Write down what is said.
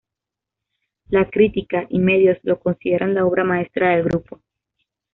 La crítica y medios lo consideran la obra maestra del grupo.